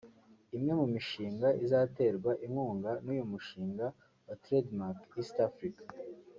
Imwe mu mishinga izaterwa inkunga n’uyu mushinga wa Trade mark East Africa